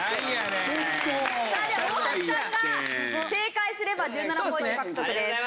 では大橋さんが正解すれば１７ポイント獲得です。